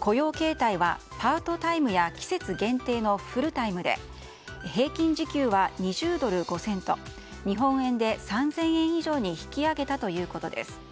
雇用形態はパートタイムや季節限定のフルタイムで平均時給は２０ドル５セント日本円で３０００円以上に引き上げたということです。